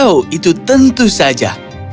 oh itu tentu saja